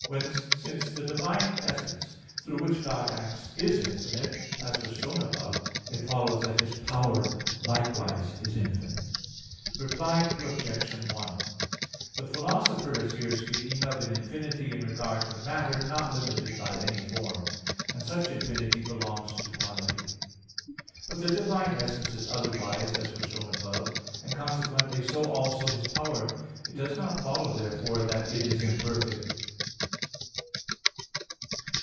Whence, since the divine essence, through which God acts, is infinite, as was shown above (Q. 7, A. 1) it follows that His power likewise is infinite. Reply Obj. 1: The Philosopher is here speaking of an infinity in regard to matter not limited by any form; and such infinity belongs to quantity. But the divine essence is otherwise, as was shown above (Q. 7, A. 1); and consequently so also His power. It does not follow, therefore, that it is imperfect.